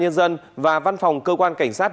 nhân dân và văn phòng cơ quan cảnh sát